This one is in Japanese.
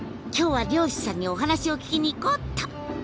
今日は漁師さんにお話を聞きにいこうっと。